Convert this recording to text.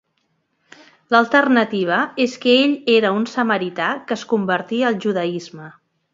L'alternativa és que ell era un samarità que es convertí al judaisme.